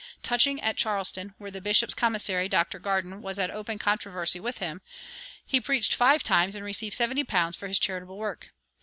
Touching at Charleston, where the bishop's commissary, Dr. Garden, was at open controversy with him, he preached five times and received seventy pounds for his charitable work.